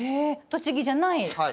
栃木じゃない話を？